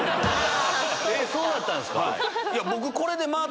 えっそうだったんすか